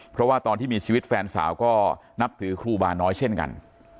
เพราะว่าตอนที่มีชีวิตแฟนสาวก็นับถือครูบาน้อยเช่นกัน